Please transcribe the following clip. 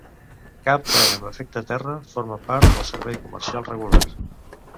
Cap tren amb efecte terra forma part del servei comercial regular.